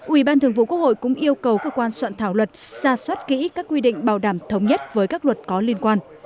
ủy ban thường vụ quốc hội cũng yêu cầu cơ quan soạn thảo luật ra soát kỹ các quy định bảo đảm thống nhất với các luật có liên quan